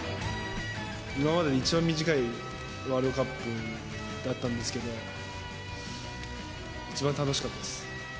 今までで一番短いワールドカップだったんですけど、一番楽しかったです。